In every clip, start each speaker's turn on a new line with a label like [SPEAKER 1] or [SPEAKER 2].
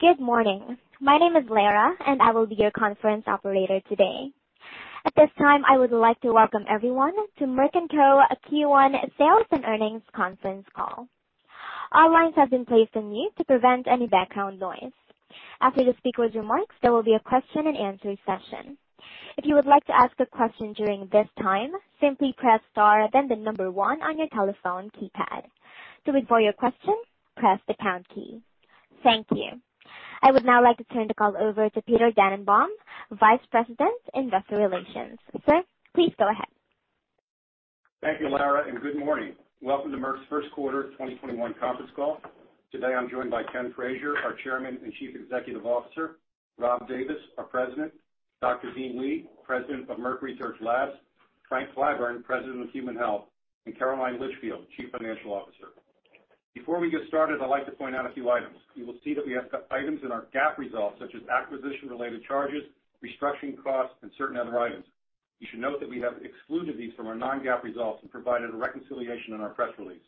[SPEAKER 1] Good morning. My name is Lara, and I will be your conference operator today. At this time, I would like to welcome everyone to Merck & Co.'s Q1 Sales and Earnings Conference Call. All lines have been placed on mute to prevent any background noise. After the speakers' remarks, there will be a question and answer session. If you would like to ask a question during this time, simply press star then the number one on your telephone keypad. To withdraw your question, press the pound key. Thank you. I would now like to turn the call over to Peter Dannenbaum, Vice President, Investor Relations. Sir, please go ahead.
[SPEAKER 2] Thank you, Lara. Good morning. Welcome to Merck's first quarter 2021 conference call. Today, I'm joined by Ken Frazier, our Chairman and Chief Executive Officer, Rob Davis, our President, Dr. Dean Li, President of Merck Research Laboratories, Frank Clyburn, President of Human Health, and Caroline Litchfield, Chief Financial Officer. Before we get started, I'd like to point out a few items. You will see that we have items in our GAAP results, such as acquisition-related charges, restructuring costs, and certain other items. You should note that we have excluded these from our non-GAAP results and provided a reconciliation in our press release.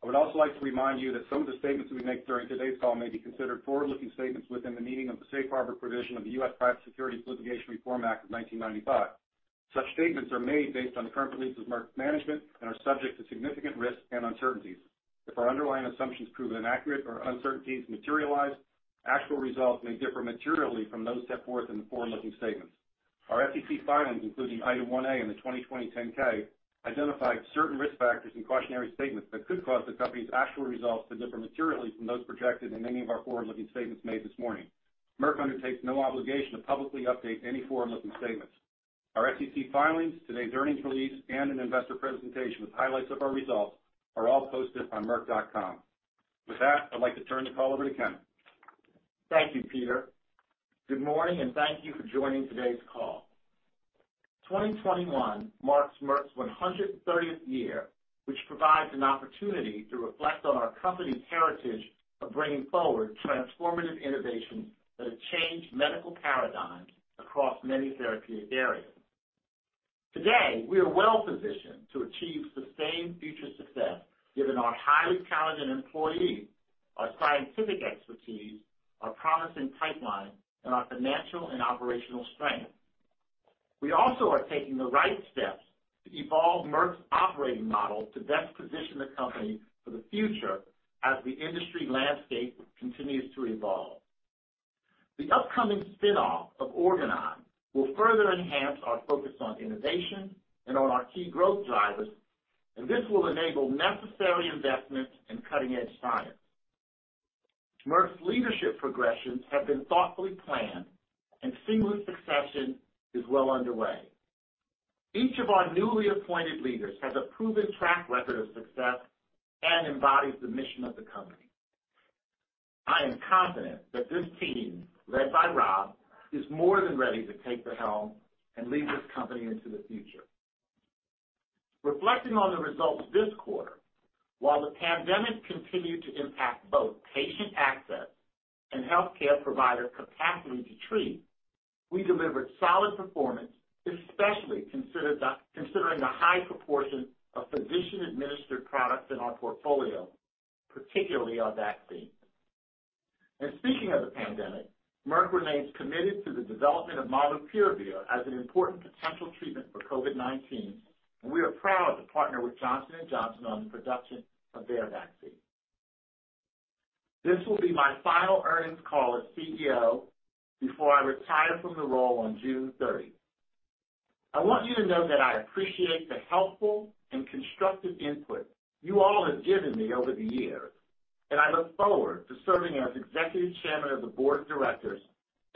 [SPEAKER 2] I would also like to remind you that some of the statements we make during today's call may be considered forward-looking statements within the meaning of the Safe Harbor provision of the U.S. Private Securities Litigation Reform Act of 1995. Such statements are made based on the current beliefs of Merck's management and are subject to significant risks and uncertainties. If our underlying assumptions prove inaccurate or uncertainties materialize, actual results may differ materially from those set forth in the forward-looking statements. Our SEC filings, including Item One A in the 2020 10-K, identified certain risk factors and cautionary statements that could cause the company's actual results to differ materially from those projected in any of our forward-looking statements made this morning. Merck undertakes no obligation to publicly update any forward-looking statements. Our SEC filings, today's earnings release, and an investor presentation with highlights of our results are all posted on merck.com. With that, I'd like to turn the call over to Kenneth Frazier.
[SPEAKER 3] Thank you, Peter. Good morning, and thank you for joining today's call. 2021 marks Merck's 130 year, which provides an opportunity to reflect on our company's heritage of bringing forward transformative innovations that have changed medical paradigms across many therapeutic areas. Today, we are well-positioned to achieve sustained future success, given our highly talented employees, our scientific expertise, our promising pipeline, and our financial and operational strength. We also are taking the right steps to evolve Merck's operating model to best position the company for the future as the industry landscape continues to evolve. The upcoming spin-off of Organon will further enhance our focus on innovation and on our key growth drivers, and this will enable necessary investments in cutting-edge science. Merck's leadership progressions have been thoughtfully planned, and seamless succession is well underway. Each of our newly appointed leaders has a proven track record of success and embodies the mission of the company. I am confident that this team, led by Rob, is more than ready to take the helm and lead this company into the future. Reflecting on the results this quarter, while the pandemic continued to impact both patient access and healthcare provider capacity to treat, we delivered solid performance, especially considering the high proportion of physician-administered products in our portfolio, particularly our vaccine. Speaking of the pandemic, Merck remains committed to the development of molnupiravir as an important potential treatment for COVID-19, and we are proud to partner with Johnson & Johnson on the production of their vaccine. This will be my final earnings call as CEO before I retire from the role on June 30. I want you to know that I appreciate the helpful and constructive input you all have given me over the years, and I look forward to serving as Executive Chairman of the Board of Directors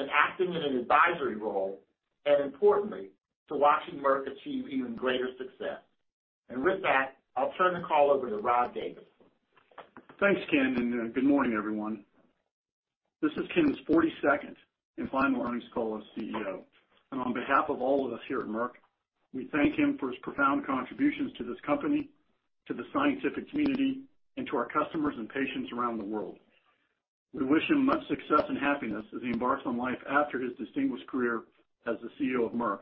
[SPEAKER 3] and acting in an advisory role, and importantly, to watching Merck achieve even greater success. With that, I'll turn the call over to Rob Davis.
[SPEAKER 4] Thanks, Ken. Good morning, everyone. This is Ken's 42 and final earnings call as CEO. On behalf of all of us here at Merck, we thank him for his profound contributions to this company, to the scientific community, and to our customers and patients around the world. We wish him much success and happiness as he embarks on life after his distinguished career as the CEO of Merck.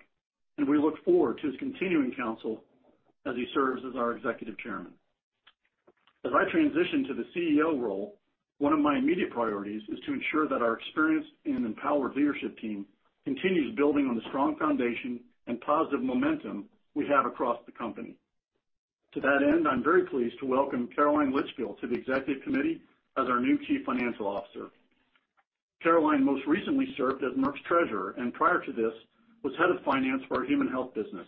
[SPEAKER 4] We look forward to his continuing counsel as he serves as our executive chairman. As I transition to the CEO role, one of my immediate priorities is to ensure that our experienced and empowered leadership team continues building on the strong foundation and positive momentum we have across the company. To that end, I'm very pleased to welcome Caroline Litchfield to the executive committee as our new Chief Financial Officer. Caroline Litchfield most recently served as Merck's treasurer, and prior to this, was head of finance for our Human Health business.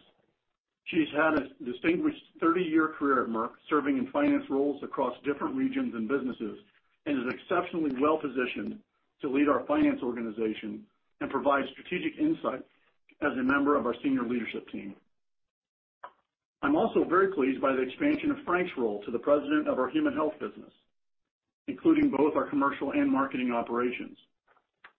[SPEAKER 4] She's had a distinguished 30-year career at Merck, serving in finance roles across different regions and businesses, and is exceptionally well-positioned to lead our finance organization and provide strategic insight as a member of our senior leadership team. I'm also very pleased by the expansion of Frank Clyburn's role to the president of our Human Health business, including both our commercial and marketing operations.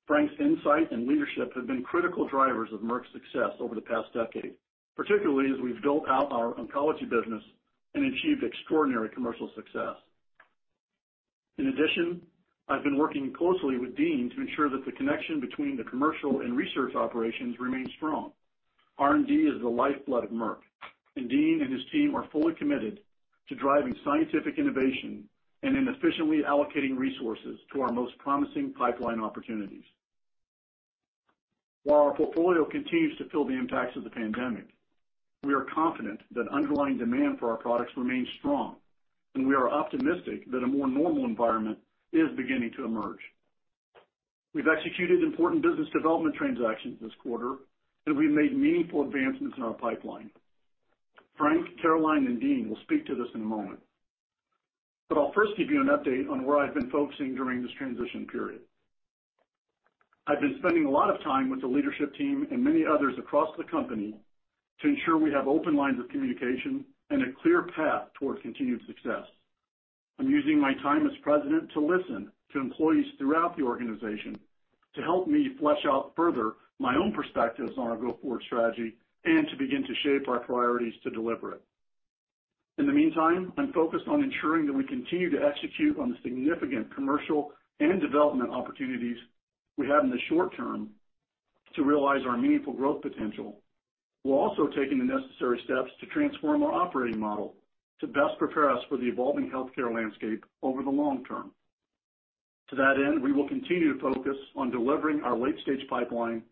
[SPEAKER 4] Frank Clyburn's insight and leadership have been critical drivers of Merck's success over the past decade, particularly as we've built out our oncology business and achieved extraordinary commercial success. In addition, I've been working closely with Dean Li to ensure that the connection between the commercial and research operations remains strong. R&D is the lifeblood of Merck, and Dean and his team are fully committed to driving scientific innovation and in efficiently allocating resources to our most promising pipeline opportunities. While our portfolio continues to feel the impacts of the pandemic, we are confident that underlying demand for our products remains strong, and we are optimistic that a more normal environment is beginning to emerge. We've executed important business development transactions this quarter, and we've made meaningful advancements in our pipeline. Frank, Caroline, and Dean will speak to this in a moment, but I'll first give you an update on where I've been focusing during this transition period. I've been spending a lot of time with the leadership team and many others across the company to ensure we have open lines of communication and a clear path towards continued success. I'm using my time as president to listen to employees throughout the organization to help me flesh out further my own perspectives on our go-forward strategy and to begin to shape our priorities to deliver it. In the meantime, I'm focused on ensuring that we continue to execute on the significant commercial and development opportunities we have in the short term to realize our meaningful growth potential, while also taking the necessary steps to transform our operating model to best prepare us for the evolving healthcare landscape over the long term. To that end, we will continue to focus on delivering our late-stage pipeline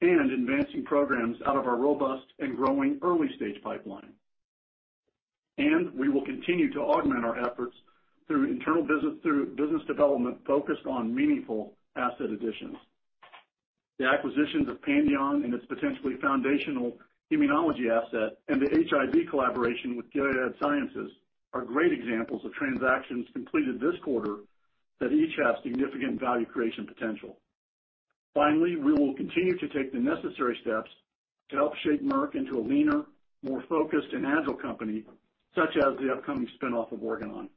[SPEAKER 4] and advancing programs out of our robust and growing early-stage pipeline. We will continue to augment our efforts through internal business development focused on meaningful asset additions. The acquisitions of Pandion and its potentially foundational immunology asset and the HIV collaboration with Gilead Sciences are great examples of transactions completed this quarter that each have significant value creation potential. Finally, we will continue to take the necessary steps to help shape Merck into a leaner, more focused and agile company, such as the upcoming spin-off of Organon.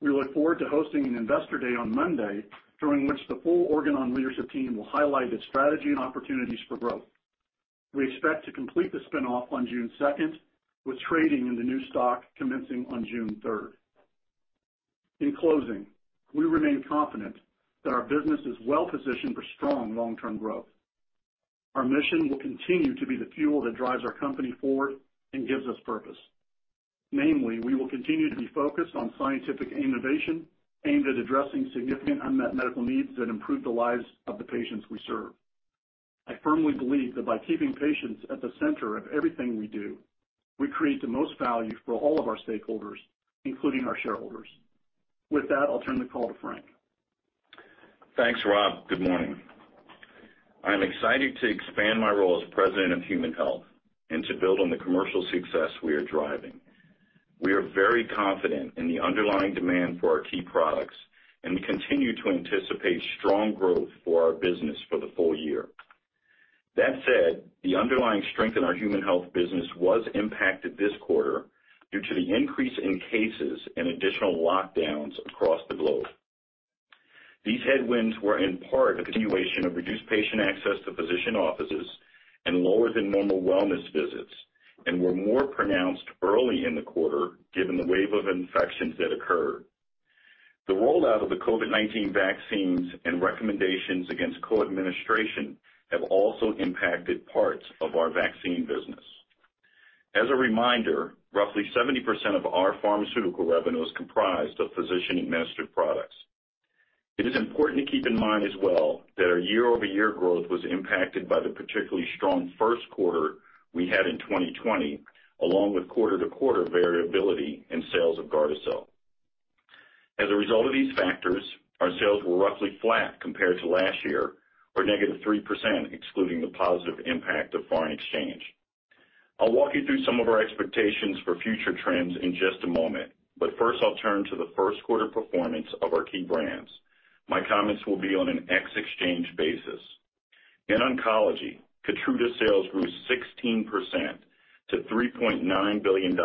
[SPEAKER 4] We look forward to hosting an investor day on Monday, during which the full Organon leadership team will highlight its strategy and opportunities for growth. We expect to complete the spin-off on June 2, with trading in the new stock commencing on June 3. In closing, we remain confident that our business is well-positioned for strong long-term growth. Our mission will continue to be the fuel that drives our company forward and gives us purpose. Namely, we will continue to be focused on scientific innovation aimed at addressing significant unmet medical needs that improve the lives of the patients we serve. I firmly believe that by keeping patients at the center of everything we do, we create the most value for all of our stakeholders, including our shareholders. With that, I'll turn the call to Frank.
[SPEAKER 5] Thanks, Rob. Good morning. I am excited to expand my role as President of Human Health and to build on the commercial success we are driving. We are very confident in the underlying demand for our key products, and we continue to anticipate strong growth for our business for the full year. That said, the underlying strength in our Human Health business was impacted this quarter due to the increase in cases and additional lockdowns across the globe. These headwinds were in part a continuation of reduced patient access to physician offices and lower than normal wellness visits and were more pronounced early in the quarter given the wave of infections that occurred. The rollout of the COVID-19 vaccines and recommendations against co-administration have also impacted parts of our vaccine business. As a reminder, roughly 70% of our pharmaceutical revenue is comprised of physician-administered products. It is important to keep in mind as well that our year-over-year growth was impacted by the particularly strong first quarter we had in 2020, along with quarter-to-quarter variability in sales of GARDASIL. As a result of these factors, our sales were roughly flat compared to last year, or negative 3% excluding the positive impact of foreign exchange. I'll walk you through some of our expectations for future trends in just a moment, but first, I'll turn to the first quarter performance of our key brands. My comments will be on an ex-exchange basis. In oncology, KEYTRUDA sales grew 16% to $3.9 billion,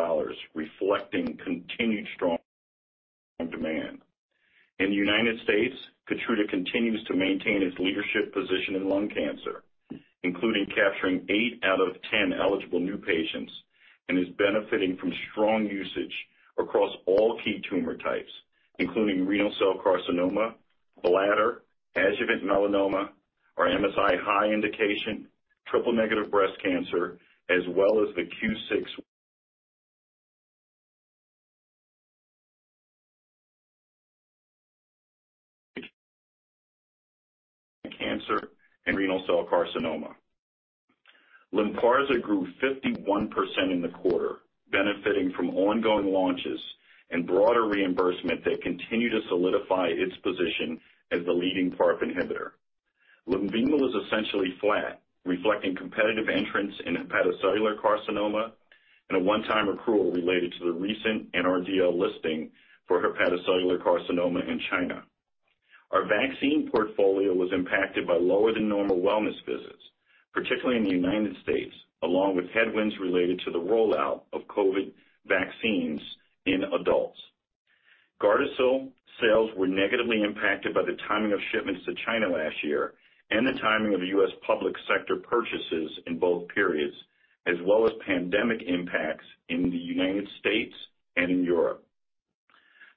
[SPEAKER 5] reflecting continued strong demand. In the U.S., KEYTRUDA continues to maintain its leadership position in lung cancer, including capturing eight out of 10 eligible new patients and is benefiting from strong usage across all key tumor types, including renal cell carcinoma, bladder, adjuvant melanoma, our MSI-H indication, triple-negative breast cancer, as well as the cutaneous squamous cell cancer and renal cell carcinoma. Lynparza grew 51% in the quarter, benefiting from ongoing launches and broader reimbursement that continue to solidify its position as the leading PARP inhibitor. Lenvima was essentially flat, reflecting competitive entrants in hepatocellular carcinoma and a one-time accrual related to the recent NRDL listing for hepatocellular carcinoma in China. Our vaccine portfolio was impacted by lower than normal wellness visits, particularly in the U.S., along with headwinds related to the rollout of COVID vaccines in adults. GARDASIL sales were negatively impacted by the timing of shipments to China last year and the timing of U.S. public sector purchases in both periods, as well as pandemic impacts in the United States and in Europe.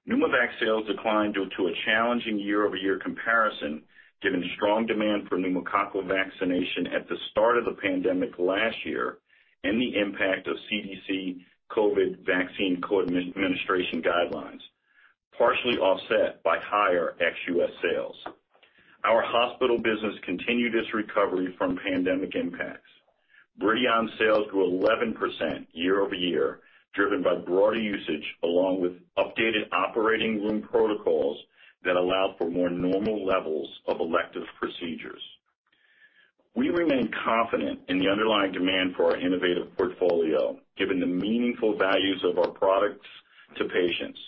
[SPEAKER 5] PNEUMOVAX sales declined due to a challenging year-over-year comparison, given strong demand for pneumococcal vaccination at the start of the pandemic last year, and the impact of CDC COVID vaccine co-administration guidelines, partially offset by higher ex-U.S. sales. Our hospital business continued its recovery from pandemic impacts. BRIDION sales grew 11% year-over-year, driven by broader usage along with updated operating room protocols that allow for more normal levels of elective procedures. We remain confident in the underlying demand for our innovative portfolio, given the meaningful values of our products to patients.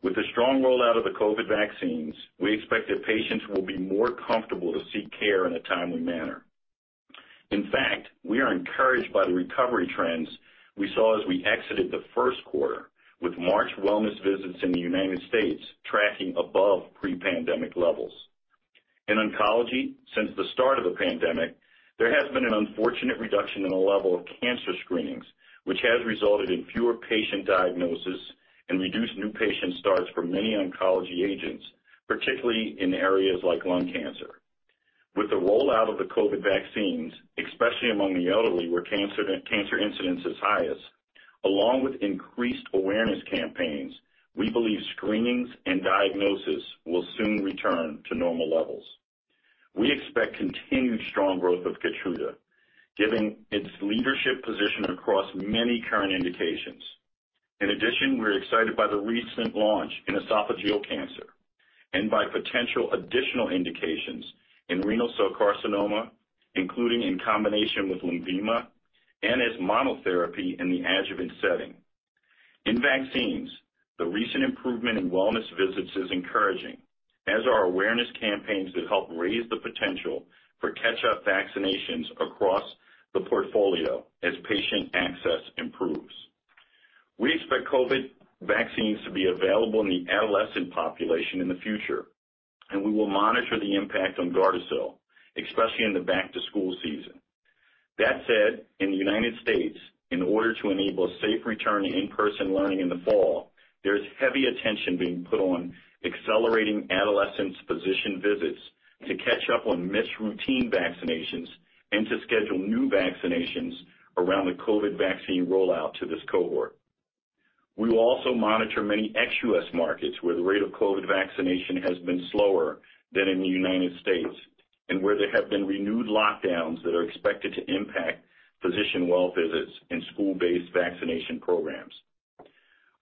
[SPEAKER 5] With the strong rollout of the COVID vaccines, we expect that patients will be more comfortable to seek care in a timely manner. In fact, we are encouraged by the recovery trends we saw as we exited the first quarter, with March wellness visits in the U.S. tracking above pre-pandemic levels. In oncology, since the start of the pandemic, there has been an unfortunate reduction in the level of cancer screenings, which has resulted in fewer patient diagnoses and reduced new patient starts for many oncology agents, particularly in areas like lung cancer. With the rollout of the COVID vaccines, especially among the elderly, where cancer incidence is highest, along with increased awareness campaigns, we believe screenings and diagnoses will soon return to normal levels. We expect continued strong growth of KEYTRUDA, given its leadership position across many current indications. We're excited by the recent launch in esophageal cancer and by potential additional indications in renal cell carcinoma, including in combination with Lenvima and as monotherapy in the adjuvant setting. In vaccines, the recent improvement in wellness visits is encouraging, as are awareness campaigns that help raise the potential for catch-up vaccinations across the portfolio as patient access improves. We will monitor the impact on GARDASIL, especially in the back-to-school season. That said, in the United States, in order to enable a safe return to in-person learning in the fall, there is heavy attention being put on accelerating adolescents' physician visits to catch up on missed routine vaccinations and to schedule new vaccinations around the COVID vaccine rollout to this cohort. We will also monitor many ex-US markets where the rate of COVID vaccination has been slower than in the United States, and where there have been renewed lockdowns that are expected to impact physician well visits and school-based vaccination programs.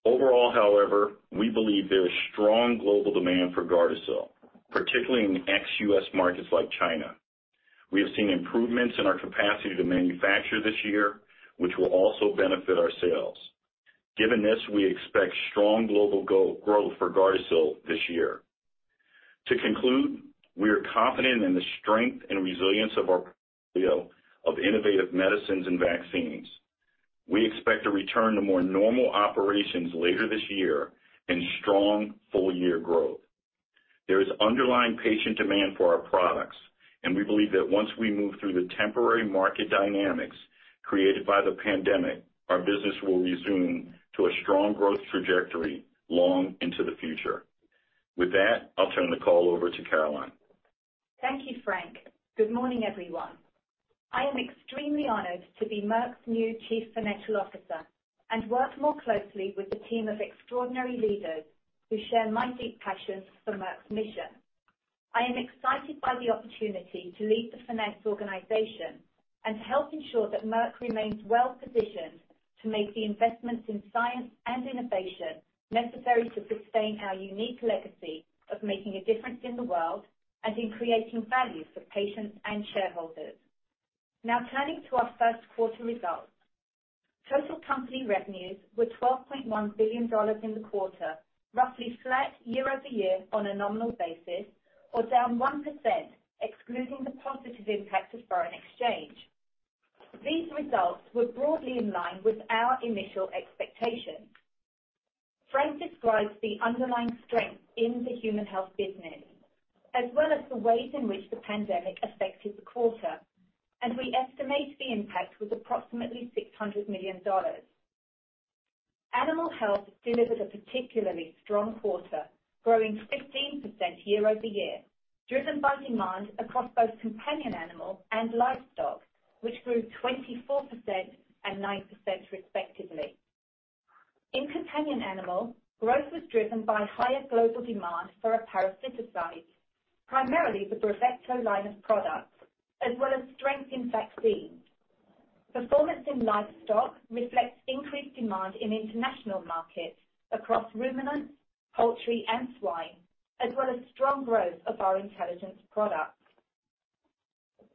[SPEAKER 5] Overall, however, we believe there is strong global demand for GARDASIL, particularly in ex-US markets like China. We have seen improvements in our capacity to manufacture this year, which will also benefit our sales. Given this, we expect strong global growth for GARDASIL this year. To conclude, we are confident in the strength and resilience of our portfolio of innovative medicines and vaccines. We expect to return to more normal operations later this year and strong full-year growth. There is underlying patient demand for our products, and we believe that once we move through the temporary market dynamics created by the pandemic, our business will resume to a strong growth trajectory long into the future. With that, I'll turn the call over to Caroline.
[SPEAKER 6] Thank you, Frank. Good morning, everyone. I am extremely honored to be Merck & Co.'s new Chief Financial Officer and work more closely with the team of extraordinary leaders who share my deep passion for Merck & Co.'s mission. I am excited by the opportunity to lead the finance organization and to help ensure that Merck & Co. remains well-positioned to make the investments in science and innovation necessary to sustain our unique legacy of making a difference in the world and in creating value for patients and shareholders. Now, turning to our first quarter results. Total company revenues were $12.1 billion in the quarter, roughly flat year-over-year on a nominal basis or down 1% excluding the positive impact of foreign exchange. These results were broadly in line with our initial expectations. Frank described the underlying strength in the Human Health business, as well as the ways in which the pandemic affected the quarter, and we estimate the impact was approximately $600 million. Animal Health delivered a particularly strong quarter, growing 15% year-over-year, driven by demand across both companion animal and livestock, which grew 24% and 9% respectively. In companion animal, growth was driven by higher global demand for our parasiticides, primarily the BRAVECTO line of products, as well as strength in vaccines. Performance in livestock reflects increased demand in international markets across ruminants, poultry, and swine, as well as strong growth of our intelligence products.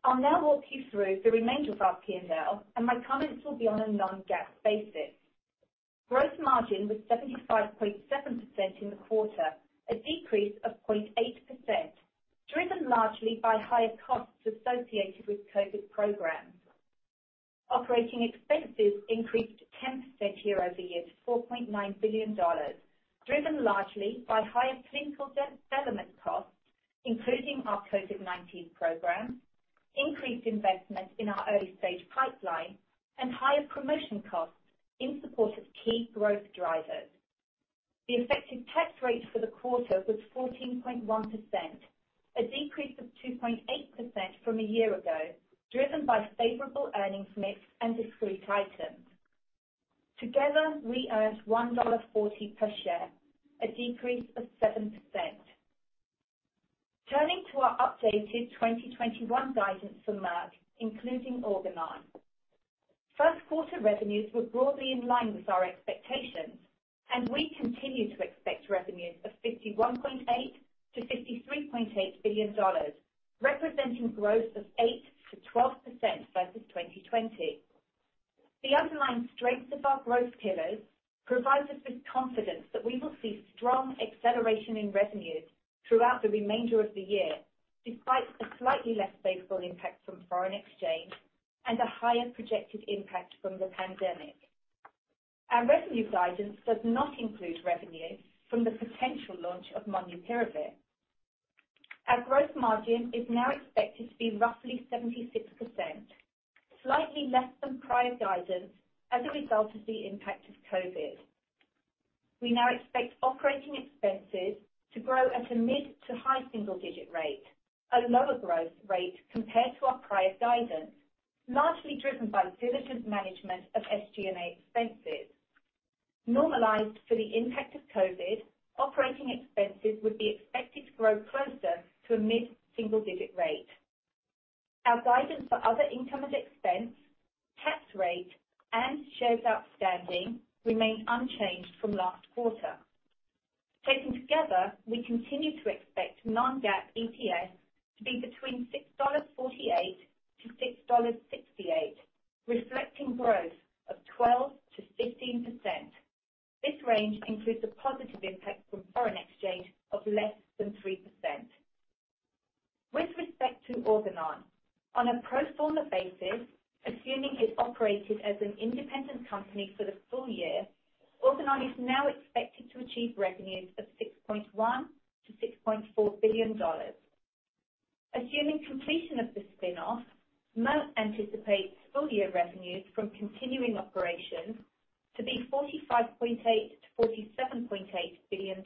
[SPEAKER 6] I'll now walk you through the remainder of our P&L, and my comments will be on a non-GAAP basis. Gross margin was 75.7% in the quarter, a decrease of 0.8%, driven largely by higher costs associated with COVID programs. Operating expenses increased 10% year-over-year to $4.9 billion, driven largely by higher clinical development costs including our COVID-19 program, increased investment in our early-stage pipeline, and higher promotion costs in support of key growth drivers. The effective tax rate for the quarter was 14.1%, a decrease of 2.8% from a year ago, driven by favorable earnings mix and discrete items. Together, we earned $1.40 per share, a decrease of 7%. Turning to our updated 2021 guidance for Merck, including Organon. First quarter revenues were broadly in line with our expectations. We continue to expect revenues of $51.8 billion to $53.8 billion, representing growth of 8% to 12% versus 2020. The underlying strength of our growth pillars provides us with confidence that we will see strong acceleration in revenues throughout the remainder of the year, despite a slightly less favorable impact from foreign exchange and a higher projected impact from the pandemic. Our revenue guidance does not include revenue from the potential launch of molnupiravir. Our growth margin is now expected to be roughly 76%, slightly less than prior guidance as a result of the impact of COVID-19. We now expect operating expenses to grow at a mid to high single-digit rate, a lower growth rate compared to our prior guidance, largely driven by diligent management of SG&A expenses. Normalized for the impact of COVID-19, operating expenses would be expected to grow closer to a mid-single-digit rate. Our guidance for other income and expense, tax rate, and shares outstanding remain unchanged from last quarter. Taken together, we continue to expect non-GAAP EPS to be between $6.48 to $6.68, reflecting growth of 12% to 15%. This range includes a positive impact from foreign exchange of less than 3%. With respect to Organon, on a pro forma basis, assuming it operated as an independent company for the full year, Organon is now expected to achieve revenues of $6.1 billion to $6.4 billion. Assuming completion of the spin-off, Merck anticipates full-year revenues from continuing operations to be $45.8 billion to $47.8 billion.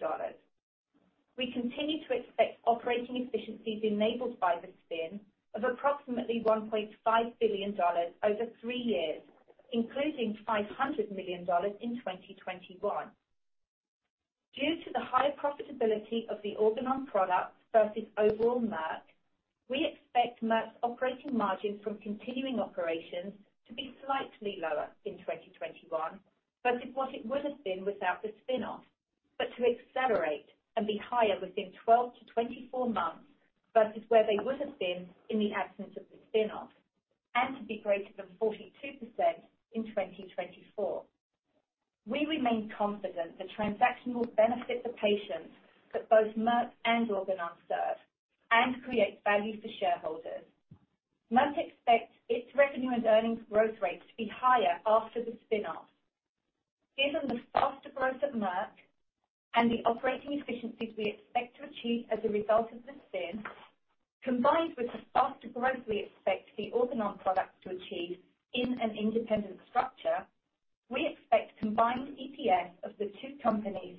[SPEAKER 6] We continue to expect operating efficiencies enabled by the spin of approximately $1.5 billion over three years, including $500 million in 2021. Due to the higher profitability of the Organon products versus overall Merck, we expect Merck's operating margin from continuing operations to be slightly lower in 2021 versus what it would have been without the spin-off, but to accelerate and be higher within 12 to 24 months versus where they would have been in the absence of the spin-off, and to be greater than 42% in 2024. We remain confident the transaction will benefit the patients that both Merck and Organon serve and create value for shareholders. Merck expects its revenue and earnings growth rates to be higher after the spin-off. Given the faster growth of Merck and the operating efficiencies we expect to achieve as a result of the spin, combined with the faster growth we expect the Organon products to achieve in an independent structure, we expect combined EPS of the two companies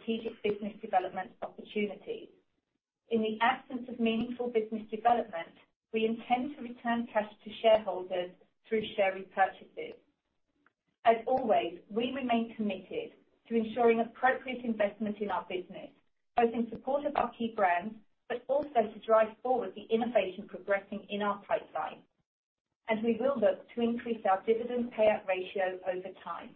[SPEAKER 6] to be higher within 12 to 24 months versus what would have been achieved without the spin. Upon the close of the Organon spin-off, we expect to receive a special tax-free dividend of $9 billion, which we hope to deploy in value-enhancing strategic business development opportunities. In the absence of meaningful business development, we intend to return cash to shareholders through share repurchases. As always, we remain committed to ensuring appropriate investment in our business, both in support of our key brands, but also to drive forward the innovation progressing in our pipeline. We will look to increase our dividend payout ratio over time.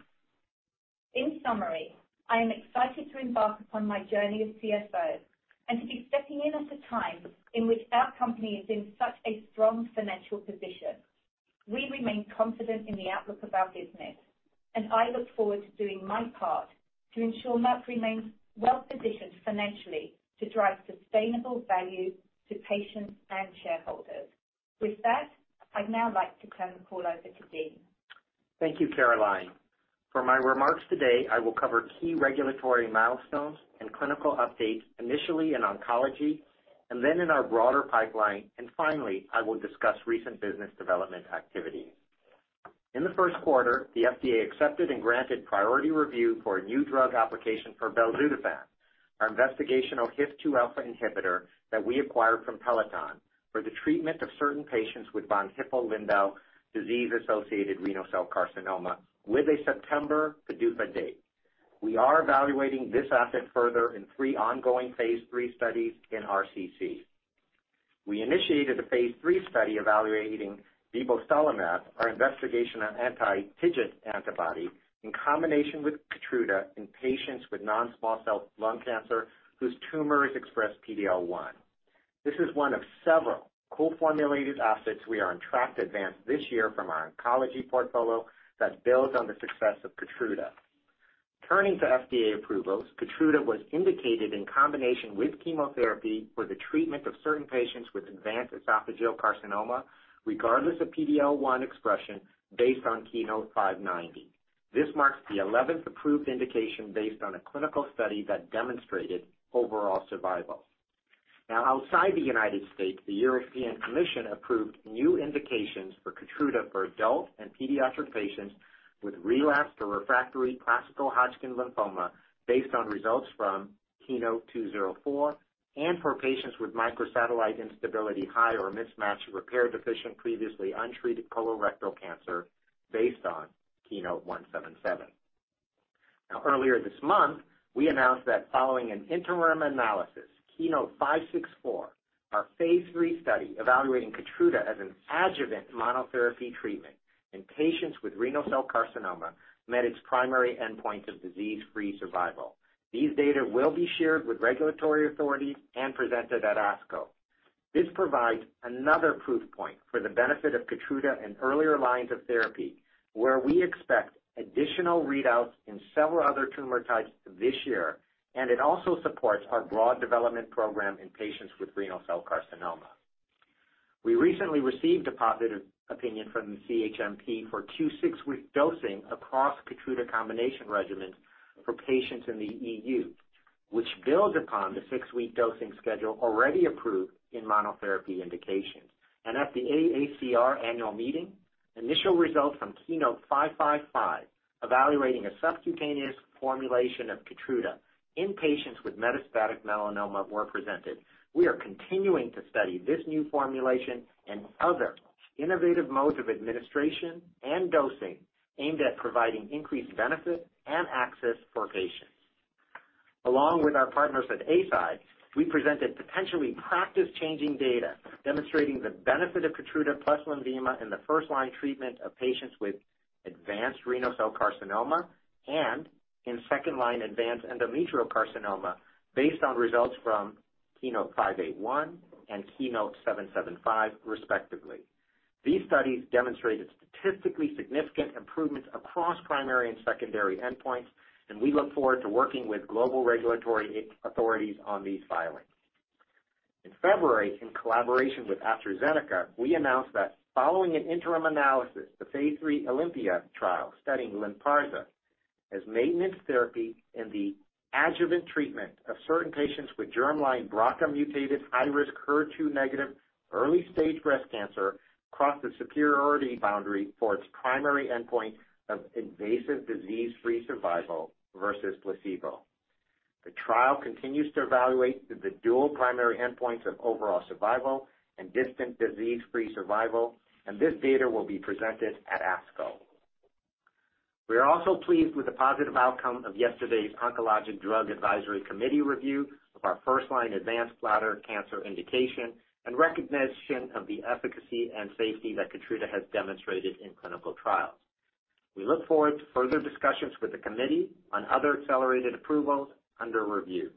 [SPEAKER 6] In summary, I am excited to embark upon my journey as CFO and to be stepping in at a time in which our company is in such a strong financial position. We remain confident in the outlook of our business, and I look forward to doing my part to ensure Merck remains well-positioned financially to drive sustainable value to patients and shareholders. With that, I'd now like to turn the call over to Dean.
[SPEAKER 7] Thank you, Caroline. For my remarks today, I will cover key regulatory milestones and clinical updates, initially in oncology, and then in our broader pipeline, and finally, I will discuss recent business development activity. In the first quarter, the FDA accepted and granted priority review for a new drug application for belzutifan, our investigational HIF-2α inhibitor that we acquired from Peloton for the treatment of certain patients with von Hippel-Lindau disease-associated renal cell carcinoma with a September PDUFA date. We are evaluating this asset further in three ongoing Phase III studies in RCC. We initiated a Phase III study evaluating vibostolimab, our investigational anti-TIGIT antibody, in combination with KEYTRUDA in patients with non-small cell lung cancer whose tumor has expressed PD-L1. This is one of several co-formulated assets we are on track to advance this year from our oncology portfolio that builds on the success of KEYTRUDA. Turning to FDA approvals, KEYTRUDA was indicated in combination with chemotherapy for the treatment of certain patients with advanced esophageal carcinoma, regardless of PD-L1 expression, based on KEYNOTE-590. This marks the 11 approved indication based on a clinical study that demonstrated overall survival. Outside the United States, the European Commission approved new indications for KEYTRUDA for adult and pediatric patients with relapsed or refractory classical Hodgkin lymphoma based on results from KEYNOTE-204, and for patients with microsatellite instability-high or mismatch repair-deficient previously untreated colorectal cancer based on KEYNOTE-177. Earlier this month, we announced that following an interim analysis, KEYNOTE-564, our phase III study evaluating KEYTRUDA as an adjuvant monotherapy treatment in patients with renal cell carcinoma, met its primary endpoint of disease-free survival. These data will be shared with regulatory authorities and presented at ASCO. This provides another proof point for the benefit of KEYTRUDA in earlier lines of therapy, where we expect additional readouts in several other tumor types this year, it also supports our broad development program in patients with renal cell carcinoma. We recently received a positive opinion from the CHMP for Q6W dosing across KEYTRUDA combination regimens for patients in the EU, which builds upon the six-week dosing schedule already approved in monotherapy indications. At the AACR annual meeting, initial results from KEYNOTE-555, evaluating a subcutaneous formulation of KEYTRUDA in patients with metastatic melanoma, were presented. We are continuing to study this new formulation and other innovative modes of administration and dosing aimed at providing increased benefit and access for patients. Along with our partners at Eisai, we presented potentially practice-changing data demonstrating the benefit of KEYTRUDA plus Lenvima in the first-line treatment of patients with advanced renal cell carcinoma and in second-line advanced endometrial carcinoma based on results from KEYNOTE-581 and KEYNOTE-775, respectively. These studies demonstrated statistically significant improvements across primary and secondary endpoints, and we look forward to working with global regulatory authorities on these filings. In February, in collaboration with AstraZeneca, we announced that following an interim analysis, the phase III OlympiA trial studying Lynparza as maintenance therapy in the adjuvant treatment of certain patients with germline BRCA-mutated, high-risk, HER2-negative, early-stage breast cancer crossed the superiority boundary for its primary endpoint of invasive disease-free survival versus placebo. The trial continues to evaluate the dual primary endpoints of overall survival and distant disease-free survival, and this data will be presented at ASCO. We are also pleased with the positive outcome of yesterday's Oncologic Drugs Advisory Committee review of our first-line advanced bladder cancer indication and recognition of the efficacy and safety that KEYTRUDA has demonstrated in clinical trials. We look forward to further discussions with the committee on other accelerated approvals under review.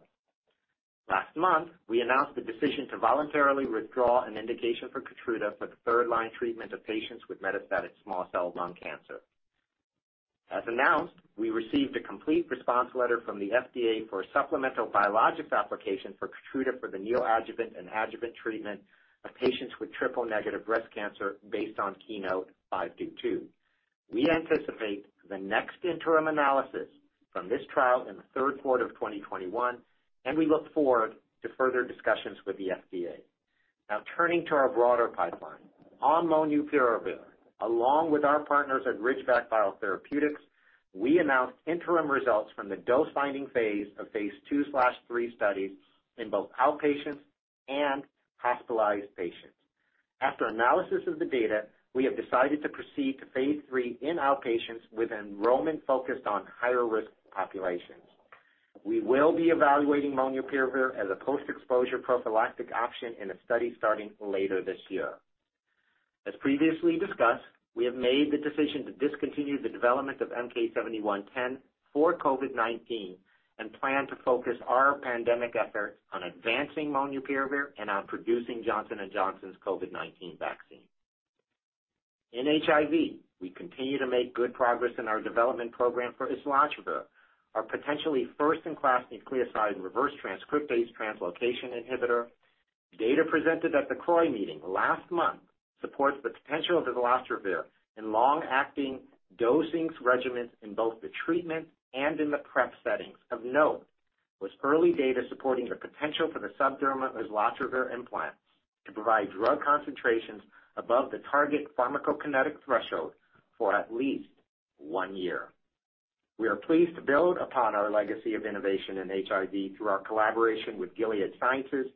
[SPEAKER 7] Last month, we announced the decision to voluntarily withdraw an indication for KEYTRUDA for the third-line treatment of patients with metastatic small cell lung cancer. As announced, we received a complete response letter from the FDA for a supplemental biologics application for KEYTRUDA for the neoadjuvant and adjuvant treatment of patients with triple-negative breast cancer based on KEYNOTE-522. We anticipate the next interim analysis from this trial in the third quarter of 2021, and we look forward to further discussions with the FDA. Now, turning to our broader pipeline. On molnupiravir, along with our partners at Ridgeback Biotherapeutics, we announced interim results from the dose-finding phase of Phase II/III studies in both outpatients and hospitalized patients. After analysis of the data, we have decided to proceed to Phase III in outpatients with enrollment focused on higher-risk populations. We will be evaluating molnupiravir as a post-exposure prophylactic option in a study starting later this year. As previously discussed, we have made the decision to discontinue the development of MK-7110 for COVID-19 and plan to focus our pandemic efforts on advancing molnupiravir and on producing Johnson & Johnson's COVID-19 vaccine. In HIV, we continue to make good progress in our development program for islatravir, our potentially first-in-class nucleoside reverse transcriptase translocation inhibitor. Data presented at the CROI meeting last month supports the potential of islatravir in long-acting dosing regimens in both the treatment and in the PrEP settings. Of note was early data supporting the potential for the subdermal islatravir implants to provide drug concentrations above the target pharmacokinetic threshold for at least one year. We are pleased to build upon our legacy of innovation in HIV through our collaboration with Gilead Sciences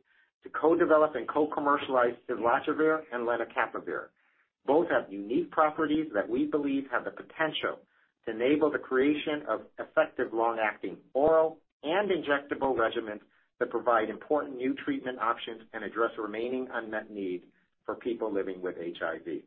[SPEAKER 7] to co-develop and co-commercialize islatravir and lenacapavir. Both have unique properties that we believe have the potential to enable the creation of effective long-acting oral and injectable regimens that provide important new treatment options and address remaining unmet need for people living with HIV.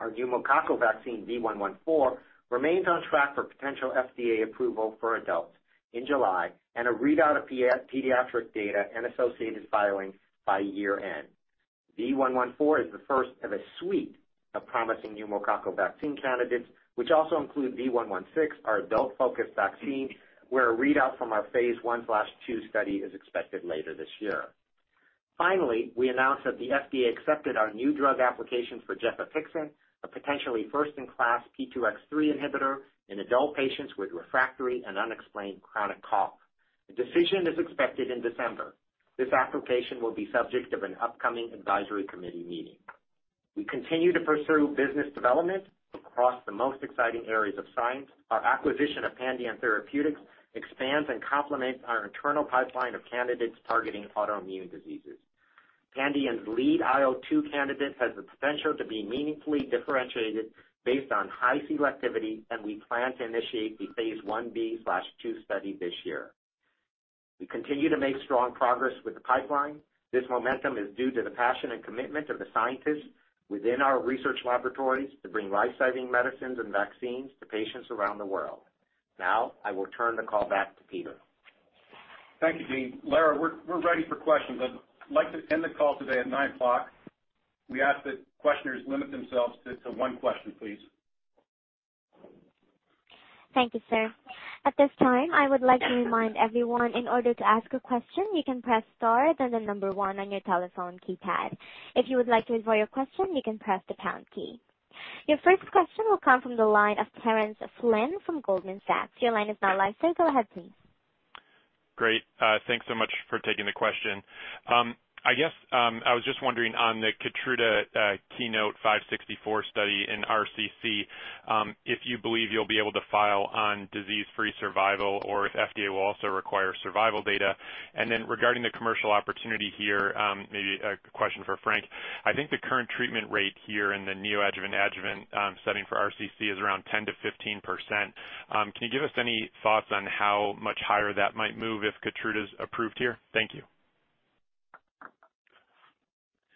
[SPEAKER 7] Our pneumococcal vaccine, V114, remains on track for potential FDA approval for adults in July and a readout of pediatric data and associated filings by year-end. V114 is the first of a suite of promising pneumococcal vaccine candidates, which also include V116, our adult-focused vaccine, where a readout from our phase I/II study is expected later this year. Finally, we announced that the FDA accepted our new drug application for gefapixant, a potentially first-in-class P2X3 inhibitor in adult patients with refractory and unexplained chronic cough. A decision is expected in December. This application will be subject of an upcoming advisory committee meeting. We continue to pursue business development across the most exciting areas of science. Our acquisition of Pandion Therapeutics expands and complements our internal pipeline of candidates targeting autoimmune diseases. Pandion's lead IL-2 candidate has the potential to be meaningfully differentiated based on high selectivity, and we plan to initiate the phase I-B/II study this year. We continue to make strong progress with the pipeline. This momentum is due to the passion and commitment of the scientists within our Research Laboratories to bring life-saving medicines and vaccines to patients around the world. Now, I will turn the call back to Peter.
[SPEAKER 2] Thank you, Dean. Lara, we're ready for questions. I'd like to end the call today at nine o'clock. We ask that questioners limit themselves to one question, please.
[SPEAKER 1] Your first question will come from the line of Terence Flynn from Goldman Sachs. Your line is now live, sir. Go ahead, please.
[SPEAKER 8] Great. Thanks so much for taking the question. I was just wondering on the KEYNOTE-564 study in RCC, if you believe you'll be able to file on disease-free survival or if FDA will also require survival data. Regarding the commercial opportunity here, maybe a question for Frank. I think the current treatment rate here in the neoadjuvant setting for RCC is around 10% to 15%. Can you give us any thoughts on how much higher that might move if KEYTRUDA is approved here? Thank you.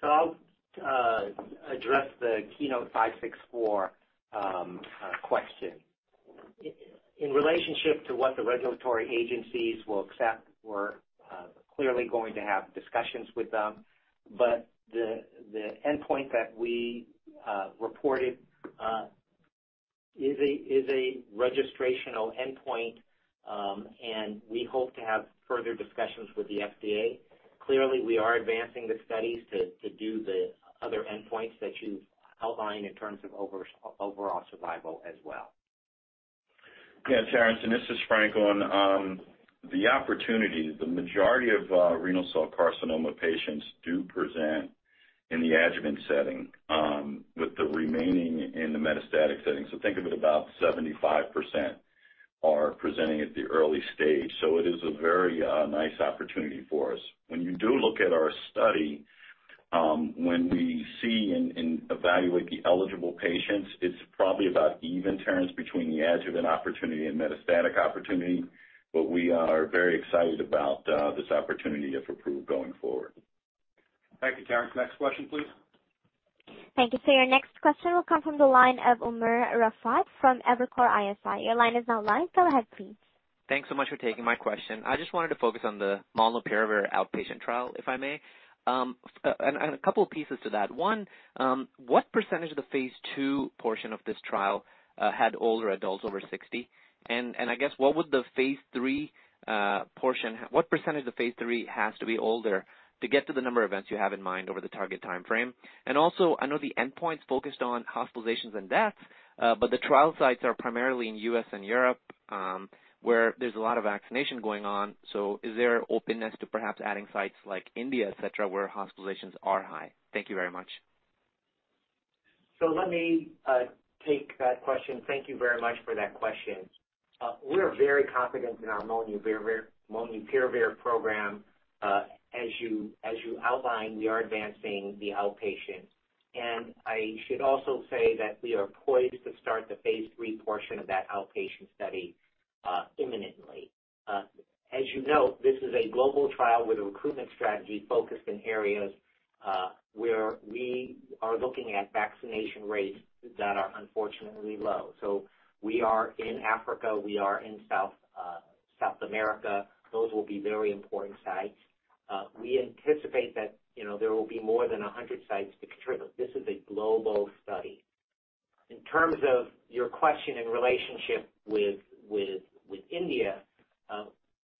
[SPEAKER 7] I'll address the KEYNOTE-564 question. In relationship to what the regulatory agencies will accept, we're clearly going to have discussions with them. The endpoint that we reported is a registrational endpoint, and we hope to have further discussions with the FDA. Clearly, we are advancing the studies to do the other endpoints that you've outlined in terms of overall survival as well.
[SPEAKER 5] Yeah, Terence, this is Frank. On the opportunity, the majority of renal cell carcinoma patients do present in the adjuvant setting, with the remaining in the metastatic setting. Think of it about 75% are presenting at the early stage. It is a very nice opportunity for us. When you do look at our study, when we see and evaluate the eligible patients, it's probably about even terms between the adjuvant opportunity and metastatic opportunity. We are very excited about this opportunity if approved going forward.
[SPEAKER 2] Thank you, Terence. Next question, please.
[SPEAKER 1] Thank you, sir. Your next question will come from the line of Umer Raffat from Evercore ISI. Your line is now live. Go ahead, please.
[SPEAKER 9] Thanks so much for taking my question. I just wanted to focus on the molnupiravir outpatient trial, if I may. A couple of pieces to that. One, what percentage of the phase II portion of this trial had older adults over 60? I guess what would the phase III portion, what percentage of phase III has to be older to get to the number of events you have in mind over the target timeframe? I know the endpoint's focused on hospitalizations and deaths, but the trial sites are primarily in U.S. and Europe, where there's a lot of vaccination going on. Is there openness to perhaps adding sites like India, et cetera, where hospitalizations are high? Thank you very much.
[SPEAKER 7] Let me take that question. Thank you very much for that question. We're very confident in our molnupiravir program. As you outlined, we are advancing the outpatient. I should also say that we are poised to start the phase III portion of that outpatient study imminently. As you know, this is a global trial with a recruitment strategy focused in areas where we are looking at vaccination rates that are unfortunately low. We are in Africa, we are in South America. Those will be very important sites. We anticipate that there will be more than 100 sites to contribute. This is a global study. In terms of your question in relationship with India,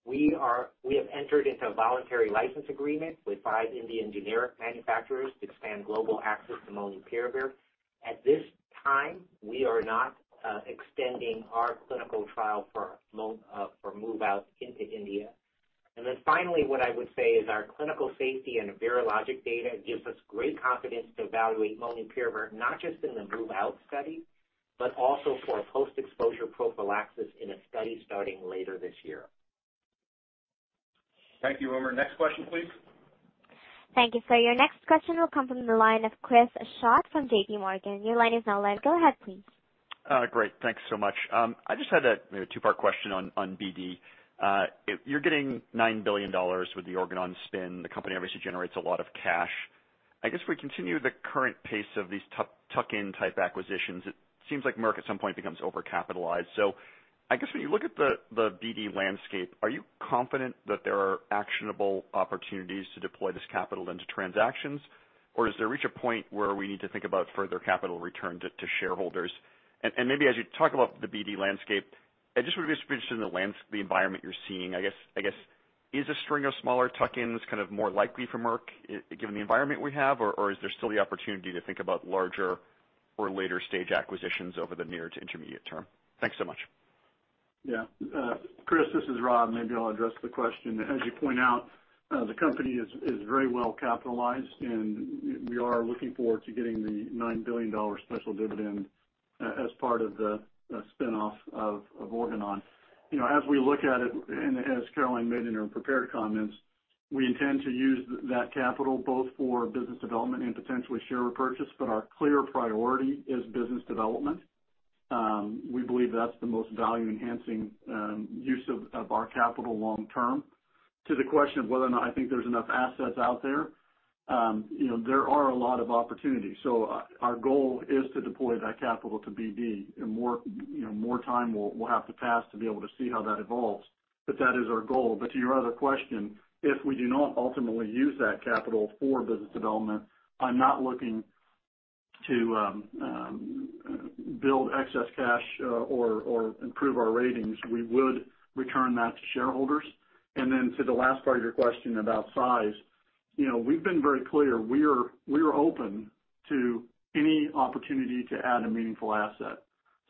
[SPEAKER 7] we have entered into a voluntary license agreement with five Indian generic manufacturers to expand global access to molnupiravir. At this time, we are not extending our clinical trial for MOVe-OUT into India. Finally, what I would say is our clinical safety and virologic data gives us great confidence to evaluate molnupiravir, not just in the MOVe-OUT study, but also for post-exposure prophylaxis in a study starting later this year.
[SPEAKER 2] Thank you, Umer. Next question, please.
[SPEAKER 1] Thank you, sir. Your next question will come from the line of Chris Schott from J.P. Morgan. Your line is now live. Go ahead, please.
[SPEAKER 10] Great. Thanks so much. I just had a two-part question on BD. You're getting $9 billion with the Organon spin. The company obviously generates a lot of cash. I guess we continue the current pace of these tuck-in type acquisitions, it seems like Merck at some point becomes over-capitalized. I guess when you look at the BD landscape, are you confident that there are actionable opportunities to deploy this capital into transactions? Does it reach a point where we need to think about further capital return to shareholders? Maybe as you talk about the BD landscape, I just would be interested in the environment you're seeing, I guess, is a string of smaller tuck-ins kind of more likely for Merck given the environment we have? Is there still the opportunity to think about larger or later stage acquisitions over the near to intermediate term? Thanks so much.
[SPEAKER 4] Chris, this is Rob. Maybe I'll address the question. As you point out, the company is very well capitalized, and we are looking forward to getting the $9 billion special dividend as part of the spin-off of Organon. As we look at it, and as Caroline made in her prepared comments, we intend to use that capital both for business development and potentially share repurchase, but our clear priority is business development. We believe that's the most value-enhancing use of our capital long term. To the question of whether or not I think there's enough assets out there are a lot of opportunities. Our goal is to deploy that capital to BD, and more time will have to pass to be able to see how that evolves. That is our goal. To your other question, if we do not ultimately use that capital for business development, I'm not looking to build excess cash or improve our ratings. We would return that to shareholders. To the last part of your question about size, we've been very clear, we're open to any opportunity to add a meaningful asset.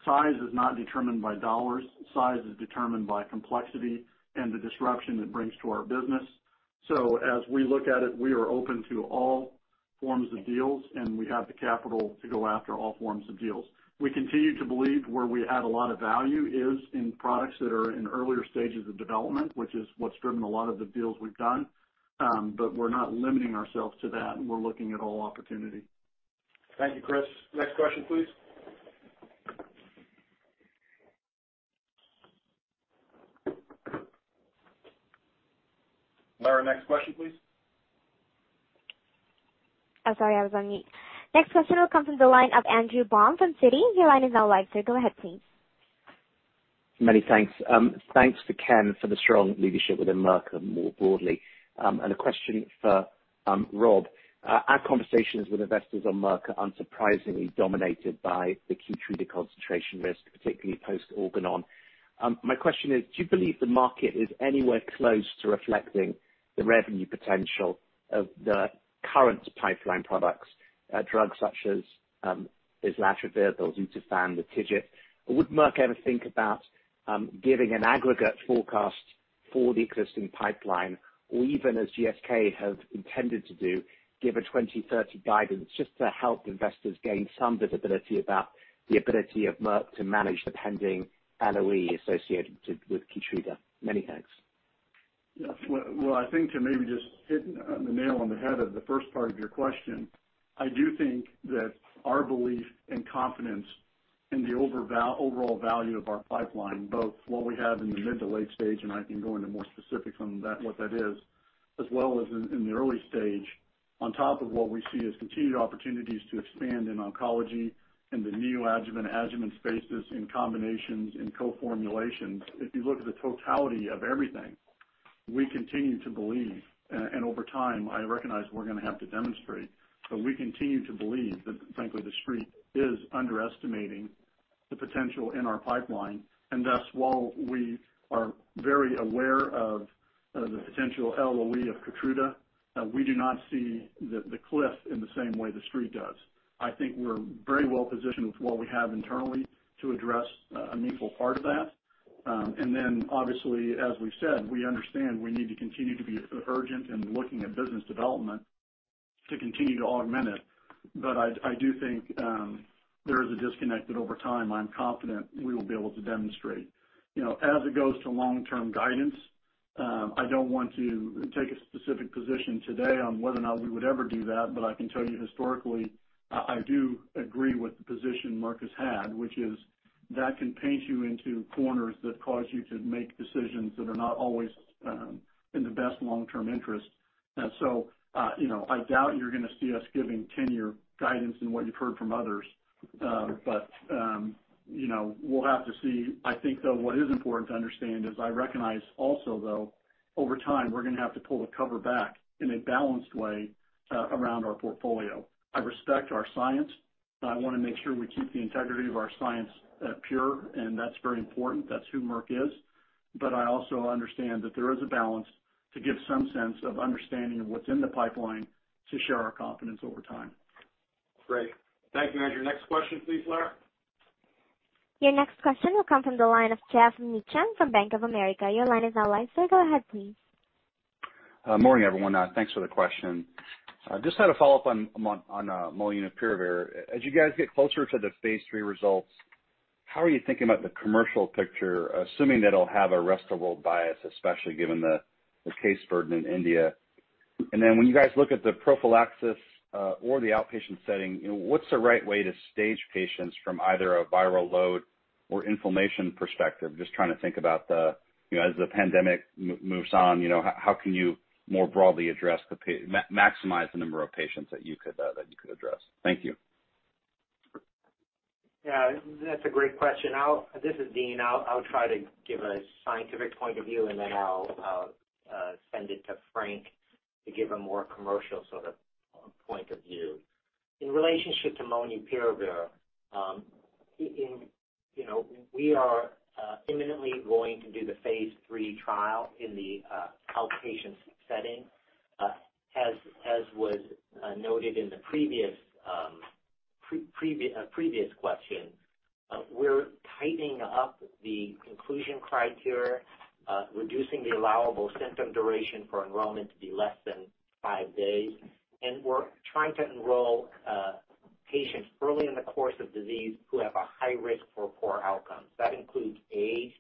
[SPEAKER 4] Size is not determined by dollars. Size is determined by complexity and the disruption it brings to our business. As we look at it, we are open to all forms of deals, and we have the capital to go after all forms of deals. We continue to believe where we add a lot of value is in products that are in earlier stages of development, which is what's driven a lot of the deals we've done. We're not limiting ourselves to that, and we're looking at all opportunity.
[SPEAKER 2] Thank you, Chris. Next question, please. Lara, next question, please.
[SPEAKER 1] Oh, sorry, I was on mute. Next question will come from the line of Andrew Baum from Citi. Your line is now live, sir. Go ahead, please.
[SPEAKER 11] Many thanks. Thanks to Kenneth Frazier for the strong leadership within Merck more broadly. A question for Robert M. Davis. Our conversations with investors on Merck are unsurprisingly dominated by the KEYTRUDA concentration risk, particularly post Organon My question is, do you believe the market is anywhere close to reflecting the revenue potential of the current pipeline products, drugs such as islatravir, belzutifan, sotatercept? Would Merck ever think about giving an aggregate forecast for the existing pipeline, or even as GSK have intended to do, give a 2030 guidance just to help investors gain some visibility about the ability of Merck to manage the pending LOE associated with KEYTRUDA? Many thanks.
[SPEAKER 4] Yes. Well, I think to maybe just hit the nail on the head of the first part of your question, I do think that our belief and confidence in the overall value of our pipeline, both what we have in the mid to late stage, and I can go into more specifics on what that is, as well as in the early stage, on top of what we see as continued opportunities to expand in oncology in the neoadjuvant, adjuvant spaces, in combinations, in co-formulations. If you look at the totality of everything, we continue to believe, and over time, I recognize we're going to have to demonstrate, but we continue to believe that frankly, the Street is underestimating the potential in our pipeline. Thus, while we are very aware of the potential LOE of KEYTRUDA, we do not see the cliff in the same way the Street does. I think we're very well positioned with what we have internally to address a meaningful part of that. Obviously, as we've said, we understand we need to continue to be urgent in looking at business development to continue to augment it. I do think there is a disconnect that over time, I'm confident we will be able to demonstrate. As it goes to long-term guidance, I don't want to take a specific position today on whether or not we would ever do that. I can tell you historically, I do agree with the position Merck has had, which is that can paint you into corners that cause you to make decisions that are not always in the best long-term interest. I doubt you're going to see us giving 10-year guidance in what you've heard from others. We'll have to see. I think, though, what is important to understand is I recognize also, though, over time, we're going to have to pull the cover back in a balanced way around our portfolio. I respect our science, and I want to make sure we keep the integrity of our science pure, and that's very important. That's who Merck is. I also understand that there is a balance to give some sense of understanding of what's in the pipeline to share our confidence over time.
[SPEAKER 2] Great. Thank you. Your next question, please, Lara.
[SPEAKER 1] Your next question will come from the line of Geoff Meacham from Bank of America. Your line is now live, sir. Go ahead, please.
[SPEAKER 12] Morning, everyone. Thanks for the question. Just had a follow-up on molnupiravir. As you guys get closer to the phase III results, how are you thinking about the commercial picture, assuming that it'll have a rest-of-world bias, especially given the case burden in India? When you guys look at the prophylaxis or the outpatient setting, what's the right way to stage patients from either a viral load or inflammation perspective? Trying to think about as the pandemic moves on, how can you more broadly maximize the number of patients that you could address? Thank you.
[SPEAKER 7] That's a great question. This is Dean. I'll try to give a scientific point of view, and then I'll send it to Frank to give a more commercial sort of point of view. In relationship to molnupiravir, we are imminently going to do the phase III trial in the outpatient setting. As was noted in the previous question, we're tightening up the inclusion criteria, reducing the allowable symptom duration for enrollment to be less than five days, and we're trying to enroll patients early in the course of disease who have a high risk for poor outcomes. That includes age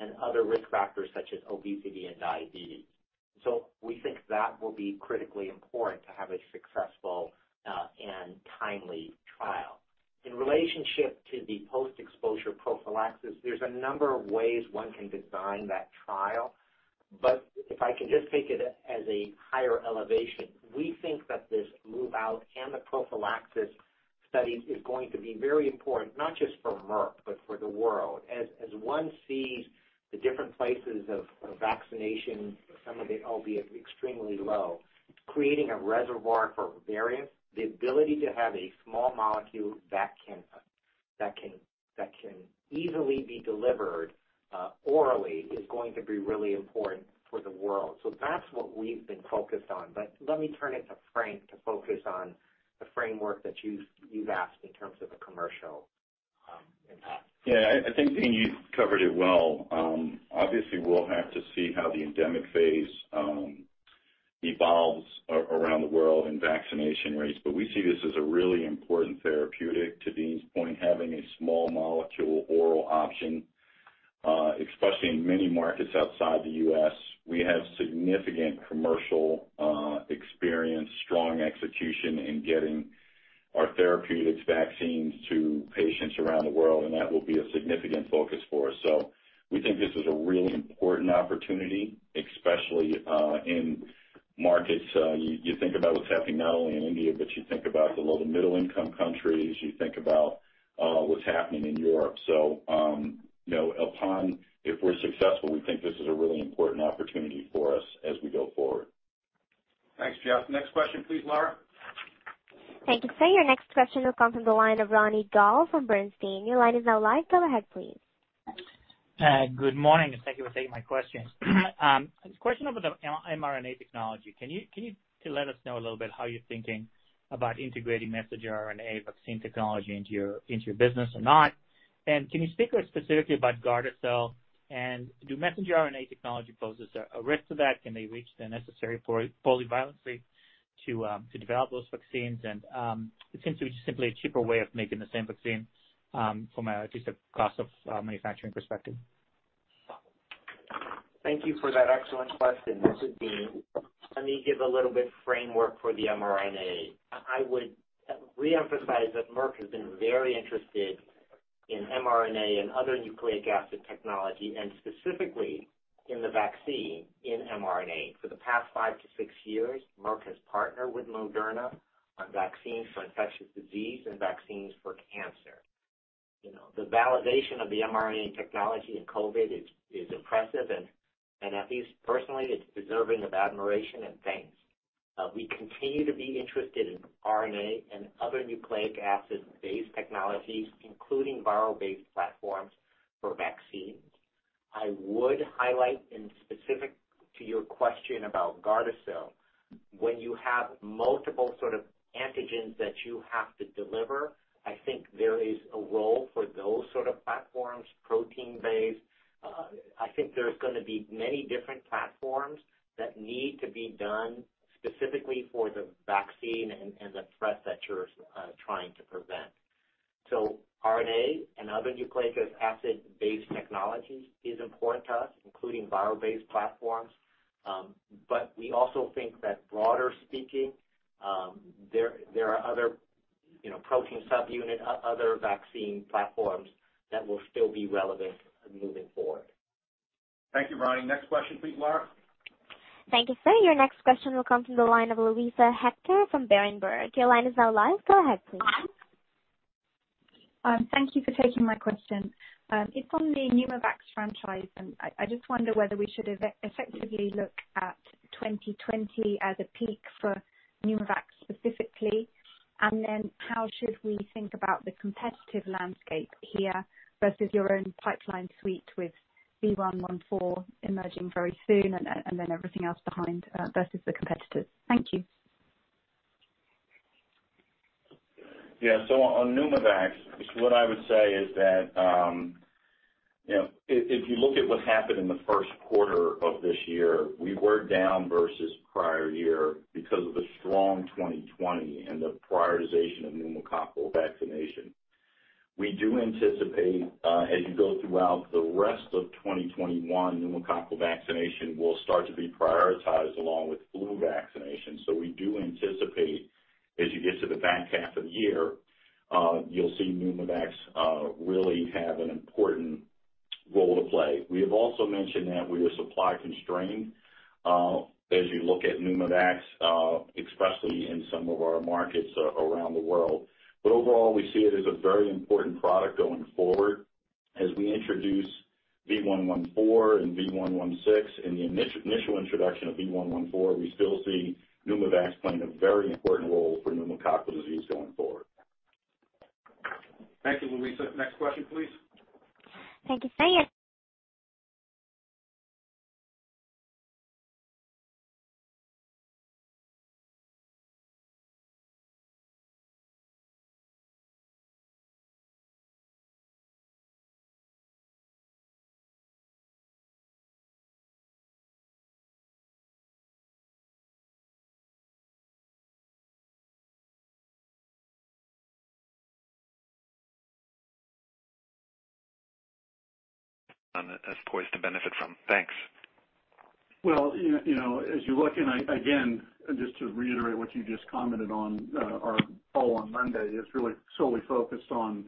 [SPEAKER 7] and other risk factors such as obesity and diabetes. We think that will be critically important to have a successful and timely trial. In relationship to the post-exposure prophylaxis, there's a number of ways one can design that trial, but if I can just take it as a higher elevation, we think that this MOVE-OUT and the prophylaxis study is going to be very important, not just for Merck, but for the world. As one sees the different places of vaccination, some of it albeit extremely low, creating a reservoir for variants, the ability to have a small molecule that can easily be delivered orally is going to be really important for the world. That's what we've been focused on. Let me turn it to Frank to focus on the framework that you've asked in terms of the commercial impact.
[SPEAKER 5] Yeah, I think, Dean Li, you've covered it well. Obviously, we'll have to see how the endemic phase evolves around the world and vaccination rates, but we see this as a really important therapeutic, to Dean Li's point, having a small molecule oral option, especially in many markets outside the U.S. We have significant commercial experience, strong execution in getting our therapeutics vaccines to patients around the world, and that will be a significant focus for us. We think this is a really important opportunity, especially in markets. You think about what's happening not only in India, but you think about the low to middle-income countries, you think about what's happening in Europe. If we're successful, we think this is a really important opportunity for us as we go forward.
[SPEAKER 2] Thanks, Geoff. Next question, please, Lara.
[SPEAKER 1] Thank you, sir. Your next question will come from the line of Ronny Gal from AllianceBernstein. Your line is now live. Go ahead, please.
[SPEAKER 13] Good morning, thank you for taking my question. Question about the mRNA technology. Can you let us know a little bit how you're thinking about integrating messenger RNA vaccine technology into your business or not? Can you speak specifically about GARDASIL, and do messenger RNA technology poses a risk to that? Can they reach the necessary polyvalency to develop those vaccines? It seems to be simply a cheaper way of making the same vaccine from at least a cost of manufacturing perspective.
[SPEAKER 7] Thank you for that excellent question. This is Dean. Let me give a little bit framework for the mRNA. I would reemphasize that Merck has been very interested in mRNA and other nucleic acid technology, and specifically in the vaccine in mRNA. For the past five to six years, Merck has partnered with Moderna on vaccines for infectious disease and vaccines for cancer. The validation of the mRNA technology in COVID is impressive, and at least personally, it is deserving of admiration and thanks. We continue to be interested in RNA and other nucleic acid-based technologies, including viral-based platforms for vaccines. I would highlight in specific to your question about GARDASIL, when you have multiple sort of antigens that you have to deliver, I think there is a role for those sort of platforms, protein-based. I think there's going to be many different platforms that need to be done specifically for the vaccine and the threat that you're trying to prevent. RNA and other nucleic acid-based technologies is important to us, including viral-based platforms, but we also think that broader speaking, there are other protein subunit, other vaccine platforms that will still be relevant moving forward.
[SPEAKER 2] Thank you, Ronny. Next question, please, Lara.
[SPEAKER 1] Thank you, sir. Your next question will come from the line of Luisa Hector from Berenberg. Your line is now live. Go ahead, please.
[SPEAKER 14] Thank you for taking my question. It's on the PNEUMOVAX franchise, and I just wonder whether we should effectively look at 2020 as a peak for PNEUMOVAX specifically, and then how should we think about the competitive landscape here versus your own pipeline suite with V114 emerging very soon and then everything else behind versus the competitors? Thank you.
[SPEAKER 5] Yeah. On PNEUMOVAX, what I would say is that if you look at what happened in the first quarter of this year, we were down versus prior year because of the strong 2020 and the prioritization of pneumococcal vaccination. We do anticipate, as you go throughout the rest of 2021, pneumococcal vaccination will start to be prioritized along with flu vaccinations. We do anticipate as you get to the back half of the year, you'll see PNEUMOVAX really have an important role to play. We have also mentioned that we are supply constrained, as you look at PNEUMOVAX, especially in some of our markets around the world. Overall, we see it as a very important product going forward as we introduce V114 and V116 and the initial introduction of V114, we still see PNEUMOVAX playing a very important role for pneumococcal disease going forward.
[SPEAKER 2] Thank you, Luisa. Next question, please.
[SPEAKER 1] Thank you. Sir, your
[SPEAKER 12] is poised to benefit from. Thanks.
[SPEAKER 4] Well, as you look and again, just to reiterate what you just commented on our call on Monday is really solely focused on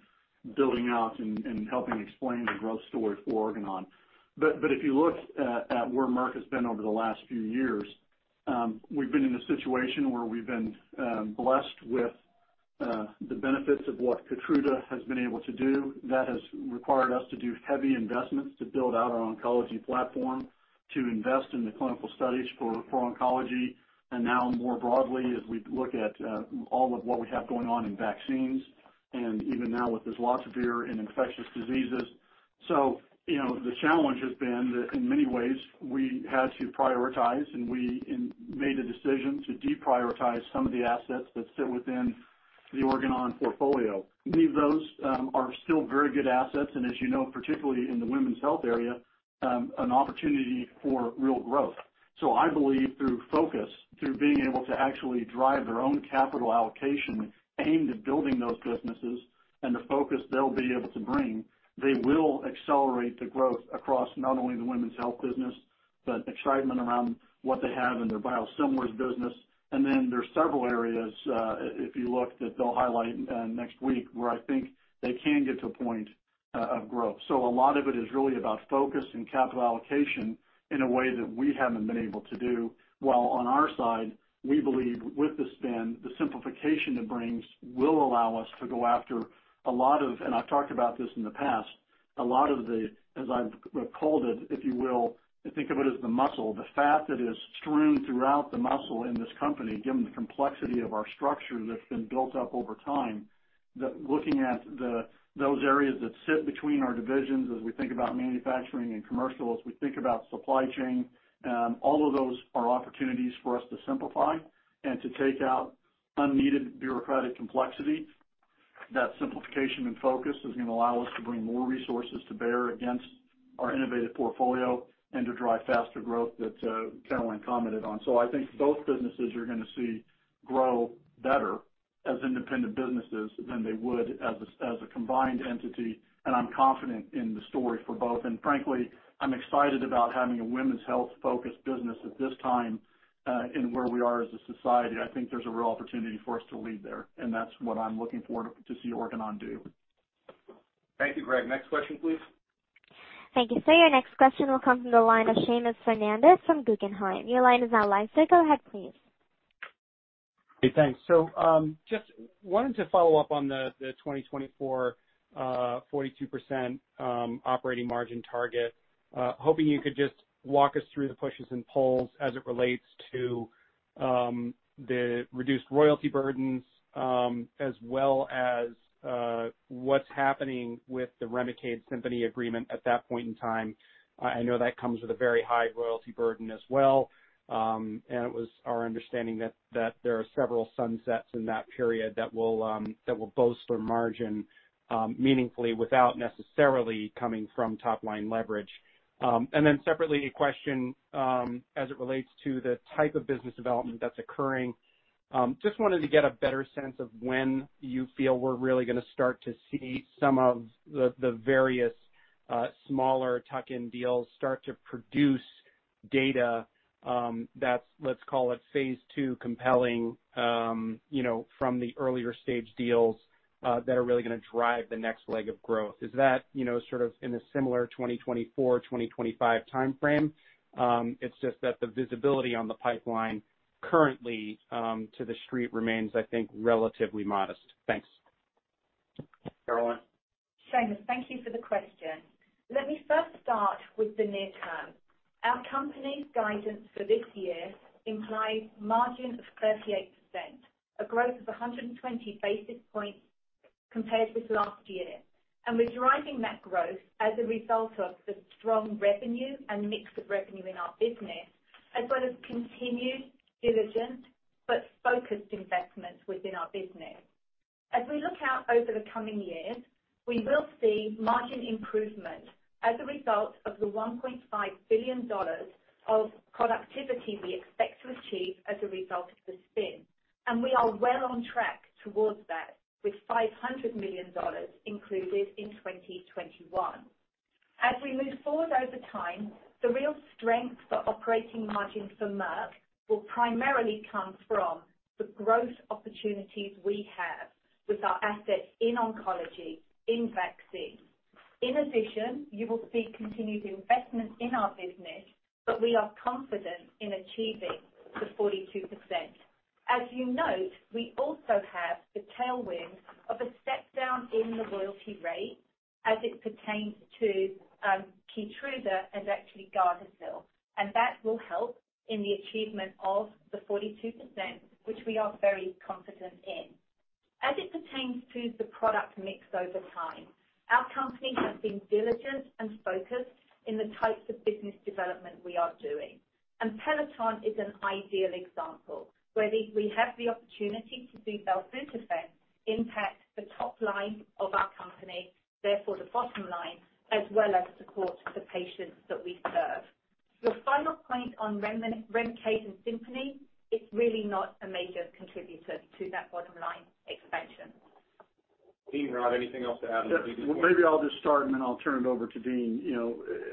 [SPEAKER 4] building out and helping explain the growth story for Organon. If you look at where Merck has been over the last few years, we've been in a situation where we've been blessed with the benefits of what KEYTRUDA has been able to do that has required us to do heavy investments to build out our oncology platform, to invest in the clinical studies for oncology. Now more broadly, as we look at all of what we have going on in vaccines and even now with this molnupiravir in infectious diseases. The challenge has been that in many ways we had to prioritize, and we made a decision to deprioritize some of the assets that sit within the Organon portfolio. Many of those are still very good assets, and as you know, particularly in the women's health area, an opportunity for real growth. I believe through focus, through being able to actually drive their own capital allocation aimed at building those businesses and the focus they'll be able to bring, they will accelerate the growth across not only the women's health business, but excitement around what they have in their biosimilars business. There's several areas, if you look that they'll highlight next week, where I think they can get to a point of growth. A lot of it is really about focus and capital allocation in a way that we haven't been able to do, while on our side, we believe with the spin, the simplification it brings will allow us to go after a lot of, and I've talked about this in the past, a lot of the, as I've called it, if you will, think of it as the muscle, the fat that is strewn throughout the muscle in this company, given the complexity of our structure that's been built up over time, that looking at those areas that sit between our divisions as we think about manufacturing and commercial, as we think about supply chain, all of those are opportunities for us to simplify and to take out unneeded bureaucratic complexity. That simplification and focus is going to allow us to bring more resources to bear against our innovative portfolio and to drive faster growth that Caroline commented on. I think both businesses you're going to see grow better as independent businesses than they would as a combined entity. I'm confident in the story for both. Frankly, I'm excited about having a women's health-focused business at this time, in where we are as a society. I think there's a real opportunity for us to lead there, and that's what I'm looking forward to see Organon do.
[SPEAKER 2] Thank you, Greg. Next question, please.
[SPEAKER 1] Thank you. Sir. Your next question will come from the line of Seamus Fernandez from Guggenheim. Your line is now live, sir. Go ahead, please.
[SPEAKER 15] Hey, thanks. Just wanted to follow up on the 2024, 42% operating margin target. Hoping you could just walk us through the pushes and pulls as it relates to the reduced royalty burdens, as well as what's happening with the REMICADE SIMPONI agreement at that point in time. I know that comes with a very high royalty burden as well. It was our understanding that there are several sunsets in that period that will bolster margin meaningfully without necessarily coming from top-line leverage. Separately, a question, as it relates to the type of business development that's occurring. Just wanted to get a better sense of when you feel we're really going to start to see some of the various smaller tuck-in deals start to produce data that's, let's call it phase II compelling, from the earlier-stage deals, that are really going to drive the next leg of growth. Is that sort of in a similar 2024, 2025 timeframe? It's just that the visibility on the pipeline currently, to the street remains, I think, relatively modest. Thanks.
[SPEAKER 2] Caroline.
[SPEAKER 6] Seamus, thank you for the question. Let me first start with the near term. Our company's guidance for this year implies margin of 38%, a growth of 120 basis points compared with last year. We're driving that growth as a result of the strong revenue and mix of revenue in our business, as well as continued diligent but focused investments within our business. As we look out over the coming years, we will see margin improvement as a result of the $1.5 billion of productivity we expect to achieve as a result of the spin. We are well on track towards that with $500 million included in 2021. As we move forward over time, the real strength for operating margin for Merck will primarily come from the growth opportunities we have with our assets in oncology, in vaccines. In addition, you will see continued investment in our business, but we are confident in achieving the 42%. As you note, we also have the tailwind of a step-down in the royalty rate as it pertains to KEYTRUDA and actually GARDASIL. That will help in the achievement of the 42%, which we are very confident in. As it pertains to the product mix over time, our company has been diligent and focused in the types of business development we are doing. Peloton is an ideal example, where we have the opportunity to do belzutifan, impact the top line of our company, therefore the bottom line, as well as support the patients that we serve. Your final point on REMICADE and SIMPONI, it's really not a major contributor to that bottom-line expansion.
[SPEAKER 2] Dean, Rob, anything else to add before?
[SPEAKER 4] Maybe I'll just start, and then I'll turn it over to Dean.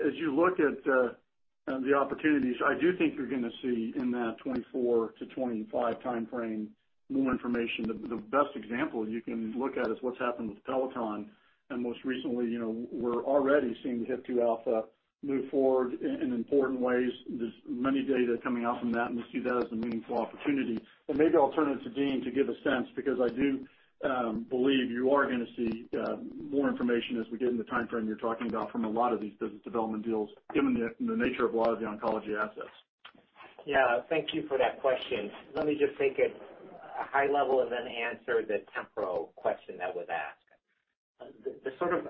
[SPEAKER 4] As you look at the opportunities, I do think you're going to see in that 2024 to 2025 timeframe, more information. The best example you can look at is what's happened with Peloton. Most recently, we're already seeing the HIF-2α move forward in important ways. There's many data coming out from that, and we see that as a meaningful opportunity. Maybe I will turn it to Dean to give a sense, because I do believe you are going to see more information as we get in the timeframe you're talking about from a lot of these business development deals, given the nature of a lot of the oncology assets.
[SPEAKER 7] Thank you for that question. Let me just take it high level and then answer the temporal question that was asked. The sort of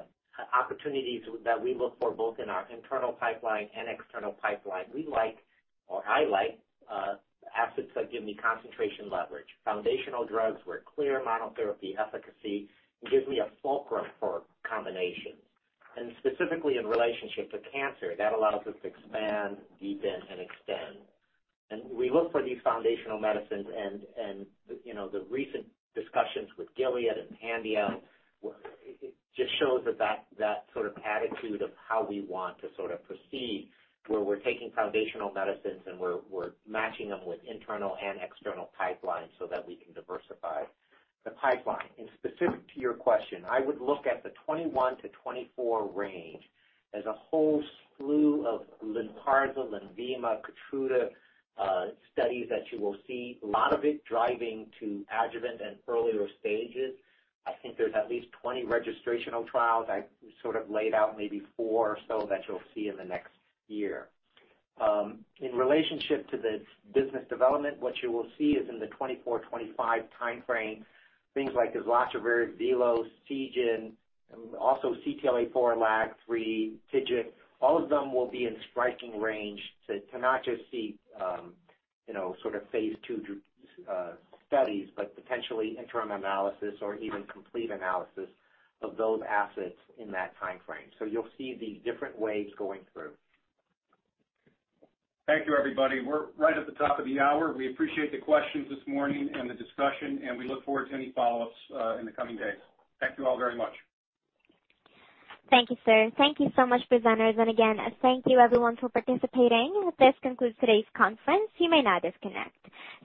[SPEAKER 7] opportunities that we look for, both in our internal pipeline and external pipeline, we like, or I like, assets that give me concentration leverage. Foundational drugs where clear monotherapy efficacy gives me a fulcrum for combination. Specifically in relationship to cancer, that allows us to expand, deepen, and extend. We look for these foundational medicines, and the recent discussions with Gilead and Pandion just shows that sort of attitude of how we want to proceed, where we're taking foundational medicines and we're matching them with internal and external pipelines so that we can diversify the pipeline. Specific to your question, I would look at the 2021 to 2024 range as a whole slew of Lynparza, Lenvima, Keytruda studies that you will see, a lot of it driving to adjuvant and earlier stages. I think there's at least 20 registrational trials. I laid out maybe four or so that you'll see in the next year. In relationship to the business development, what you will see is in the 2024, 2025 timeframe, things like Uzivarat, VelosBio, Seagen, and also CTLA-4 LAG-3, TIGIT, all of them will be in striking range to not just see phase II studies, but potentially interim analysis or even complete analysis of those assets in that timeframe. You'll see the different waves going through.
[SPEAKER 2] Thank you, everybody. We're right at the top of the hour. We appreciate the questions this morning and the discussion, and we look forward to any follow-ups in the coming days. Thank you all very much.
[SPEAKER 1] Thank you, sir. Thank you so much, presenters. Again, thank you everyone for participating. This concludes today's conference. You may now disconnect.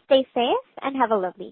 [SPEAKER 1] Stay safe and have a lovely day.